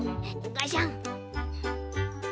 ガシャン。